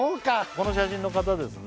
この写真の方ですね